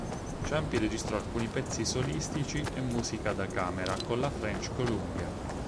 Ciampi registrò alcuni pezzi solistici e musica da camera con la French Columbia.